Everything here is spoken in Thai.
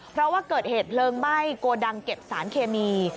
เพราะว่าเกิดเหตุเพลิงไหม้โกดังเก็บสารเคมี